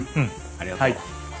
ありがとう。